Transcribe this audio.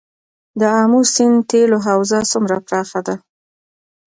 د امو سیند تیلو حوزه څومره پراخه ده؟